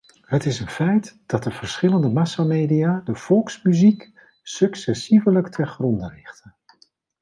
Het is een feit dat de verschillende massamedia de volksmuziek successievelijk te gronde richten.